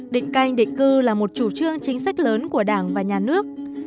định canh định cư là một chủ trương chính sách lớn của đảng và nhà nước